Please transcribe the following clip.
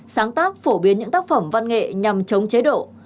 sáng tác phổ biến những tác phẩm văn nghệ nhằm chống chế độ